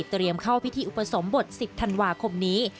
เตรียมเข้าพิธีอุปสรมบท๑๐ธันวาคมนี้